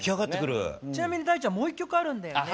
ちなみに大ちゃんもう一曲あるんだよね。